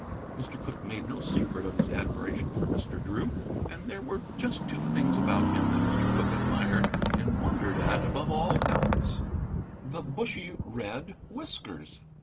Mr. Cooke made no secret of his admiration for Mr. Drew, and there were just two things about him that Mr. Cooke admired and wondered at, above all else, the bushy red whiskers.